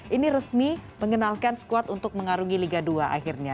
ini resmi mengenalkan skuad untuk mengarungi liga dua akhirnya